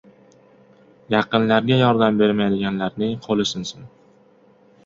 • Yaqinlariga yordam bermaydiganlarning qo‘li sinsin.